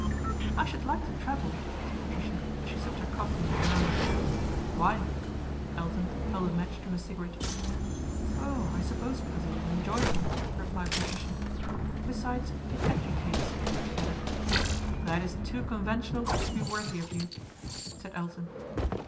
' I should like to travel," said Patricia as she sipped her coffee in the lounge. ' Why ?" Elton held a match to her cigarette. " Oh ! I suppose because it is enjoyable," re plied Patricia; "besides, it educates," she added. " That is too conventional to be worthy of you," said Elton.